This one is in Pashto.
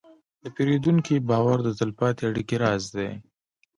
د پیرودونکي باور د تلپاتې اړیکې راز دی.